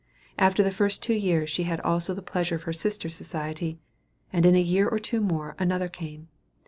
After the first two years she had also the pleasure of her sister's society, and in a year or two more, another came.